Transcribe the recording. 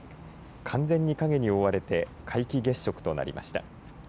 完全に影に覆われて皆既月食となりました。